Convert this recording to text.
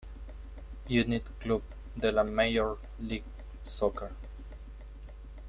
United, club de la Major League Soccer.